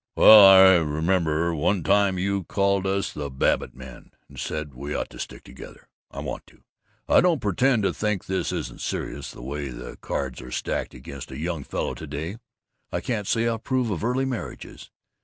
"Well, I Remember one time you called us 'the Babbitt men' and said we ought to stick together? I want to. I don't pretend to think this isn't serious. The way the cards are stacked against a young fellow to day, I can't say I approve of early marriages.